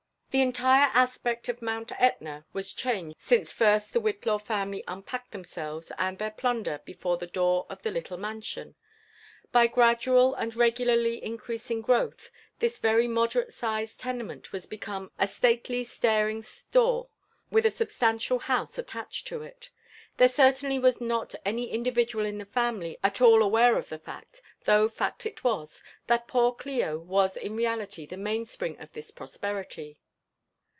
The entire aspect of Mount Etna was ehanged since first die Wbit kiw Camily unpadded themselves and tlieir plunder before (he /door of the little mansion. By gradual and regularly increasing growth, ^is very moderate sised tenement was become a stotaly, staring store, with a substantial house attached to it. There certainly was not any in* dividual tn the family at all aware of the fact, though foot it was, Hiat poor Clio was in reality the mainspring of this prosperity.